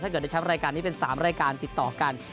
เกิดในแชมป์รายการนี้เป็น๓รายการติดต่อกัน